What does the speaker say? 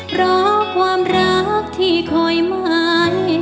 เพราะความรักที่คอยมั่น